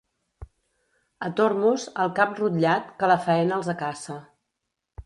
A Tormos, el cap rotllat, que la faena els acaça.